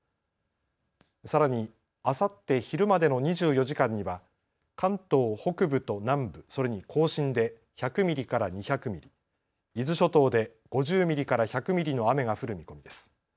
さらにあさって昼までの２４時間には関東北部と南部、それに甲信で１００ミリから２００ミリ、伊豆諸島で５０ミリから１００ミリの雨が降る見込みです。